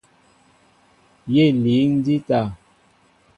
Yé líŋ jíta.